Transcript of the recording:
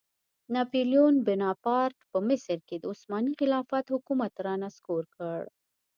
ناپیلیون بناپارټ په مصر کې د عثماني خلافت حکومت رانسکور کړ.